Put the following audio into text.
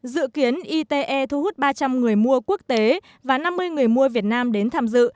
dự kiến ite thu hút ba trăm linh người mua quốc tế và năm mươi người mua việt nam đến tham dự